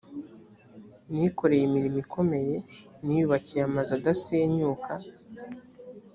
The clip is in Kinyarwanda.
nikoreye imirimo ikomeye niyubakiye amazu adasenyuka.